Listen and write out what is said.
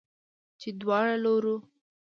چې دواړو لورو